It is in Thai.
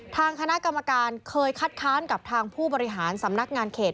ทางคณะกรรมการเคยคัดค้านกับทางผู้บริหารสำนักงานเขต